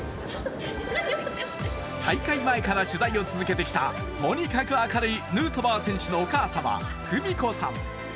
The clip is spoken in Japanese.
大会前から取材を続けてきたとにかく明るいヌートバー選手のお母様久美子さん。